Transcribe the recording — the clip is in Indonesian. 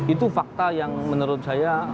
itu fakta yang menurut saya